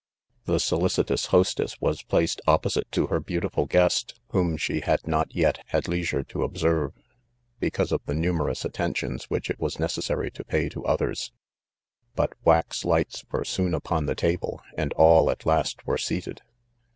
The solicitous hostess was placed opposite to her beautiful guest, whom she had not yet had leisure to observe, because of the numerous at tentions' which it was necessary to pay to oth ers, but wax lights were soon upon the table ana all at last wer a seated.